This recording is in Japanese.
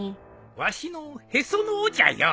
わしのへその緒じゃよ。